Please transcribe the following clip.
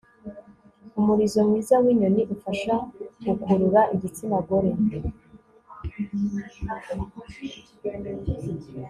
umurizo mwiza winyoni ufasha gukurura igitsina gore